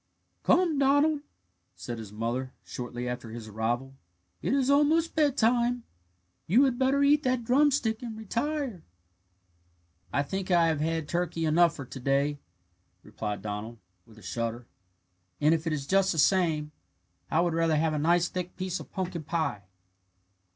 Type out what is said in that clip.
"Come, Donald," said his mother, shortly after his arrival, "it is almost bedtime; you had better eat that drumstick and retire." "I think I have had turkey enough for to day," replied Donald, with a shudder, "and if it is just the same, I would rather have a nice thick piece of pumpkin pie."